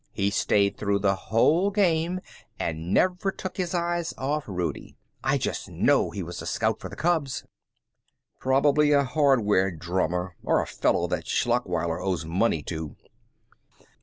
He stayed through the whole game, and never took his eyes off Rudie. I just know he was a scout for the Cubs." "Probably a hardware drummer, or a fellow that Schlachweiler owes money to."